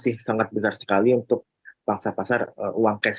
jadi memang masih sangat besar sekali untuk bangsa pasar uang cash